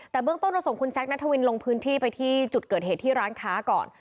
แต่เบื้องต้นเราส่งคุณแซคนัทวินลงพื้นที่ไปที่จุดเกิดเหตุที่ร้านค้าก่อน